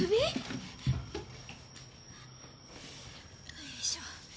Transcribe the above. おいしょ。